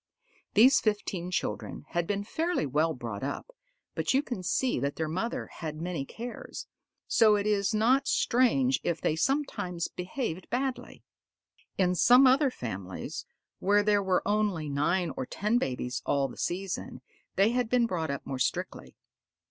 These fifteen children had been fairly well brought up, but you can see that their mother had many cares; so it is not strange if they sometimes behaved badly. In some other families, where there were only nine or ten babies all the season, they had been brought up more strictly.